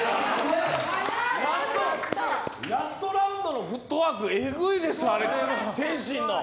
ラストラウンドのフットワーク、エグいです、天心の。